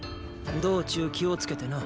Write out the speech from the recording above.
道中気をつけてな。